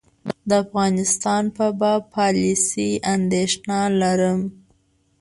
د افغانستان په باب پالیسي اندېښنه لرم.